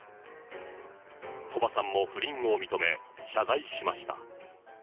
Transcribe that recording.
鳥羽さんも不倫を認め、謝罪しました。